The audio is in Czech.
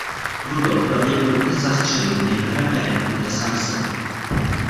Rudolf pravděpodobně zastřelil nejprve Mary a poté sám sebe.